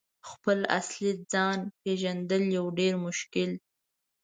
» خپل اصلي ځان « پیژندل یو ډیر مشکل